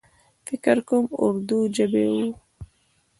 فکر کوم اردو ژبۍ و.